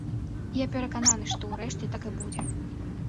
Я перакананы, што ўрэшце так і будзе.